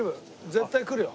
絶対来るよ。